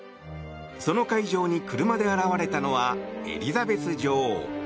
その会場に車で現れたのはエリザベス女王。